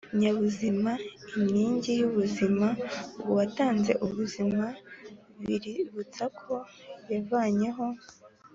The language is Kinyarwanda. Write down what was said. nyabuzima: inkingi y’ubuzima, uwatanze ubuzima biributsa ko yavanyeho